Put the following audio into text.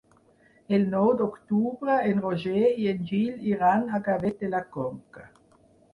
El nou d'octubre en Roger i en Gil iran a Gavet de la Conca.